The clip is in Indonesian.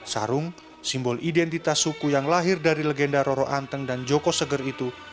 sarung simbol identitas suku yang lahir dari legenda roro anteng dan joko seger itu